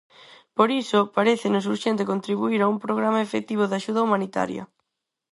Por iso, parécenos urxente contribuír a un programa efectivo de axuda humanitaria.